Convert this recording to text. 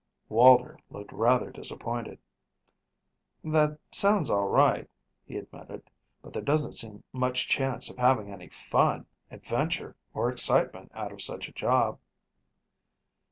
Walter looked rather disappointed. "That sounds all right," he admitted, "but there doesn't seem much chance of having any fun, adventure or excitement out of such a job."